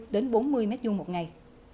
ba mươi đến bốn mươi mét dung một ngày